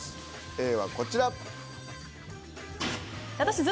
Ａはこちら。